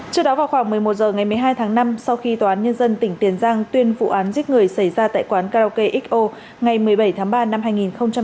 trước đó vào khoảng một mươi một h ngày một mươi hai tháng năm sau khi tòa án nhân dân tỉnh tiền giang tuyên vụ án giết người xảy ra tại quán karaoke xo ngày một mươi bảy tháng ba năm hai nghìn hai mươi